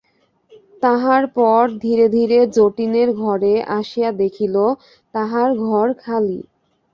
তাহার পর ধীরে ধীরে যতীনের ঘরে আসিয়া দেখিল, তাহার ঘর খালি।